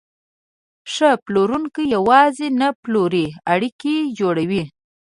ښه پلورونکی یوازې نه پلوري، اړیکې جوړوي.